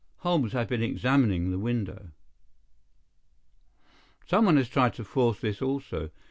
Holmes had been examining the window. "Someone has tried to force this also.